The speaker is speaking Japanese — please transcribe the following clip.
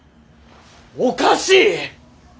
おかしい！